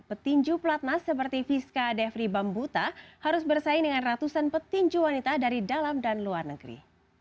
petinju platnas seperti viska devri bambuta harus bersaing dengan ratusan petinju wanita dari dalam dan luar negeri